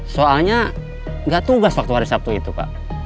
soalnya nggak tugas waktu hari sabtu itu pak